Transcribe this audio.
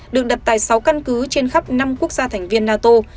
được đặt tại sáu căn cứ trên khắp năm quốc gia thành viên nato